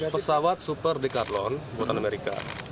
pesawat super decathlon buatan amerika